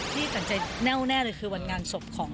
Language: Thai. ตัดสินใจแน่วแน่เลยคือวันงานศพของ